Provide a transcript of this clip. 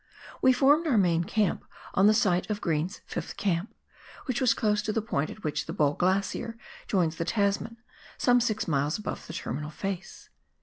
We formed our main camp on the site of Green's " fifth camp," which was close to the point at which the Ball Glacier joins the Tasman, some six miles above the Terminal face.